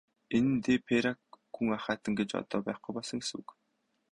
Энэ нь де Пейрак гүн ахайтан гэж одоо байхгүй болсон гэсэн үг.